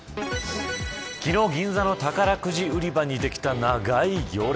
昨日銀座の宝くじ売り場にできた長い行列。